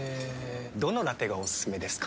どのラテがおすすめですか？